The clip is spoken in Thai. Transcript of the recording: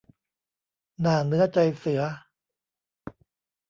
หน้าเนื้อใจเสือ